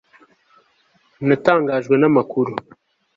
natangajwe namakuru